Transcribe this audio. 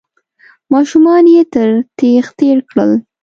ماشومان يې تر تېغ تېر کړل.